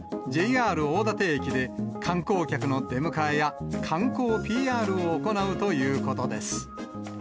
ＪＲ大館駅で、観光客の出迎えや観光ＰＲを行うということです。